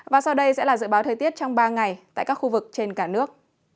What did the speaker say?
và sau đây sẽ là dự báo thời tiết trong ba ngày tại các khu vực trên cả nước